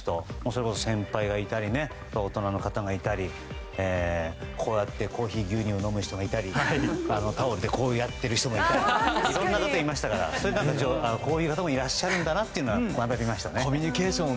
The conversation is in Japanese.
それこそ先輩がいたり大人の方がいたり、こうやってコーヒー牛乳を飲む人がいたりタオルでこうやってる人もいたりいろんな人がいましたからこういう方もいらっしゃるんだなと分かりましたね。